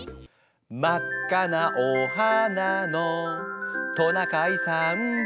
「まっかなおはなのトナカイさんは」